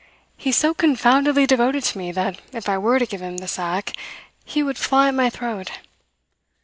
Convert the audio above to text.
He's so confoundedly devoted to me that if I were to give him the sack he would fly at my throat.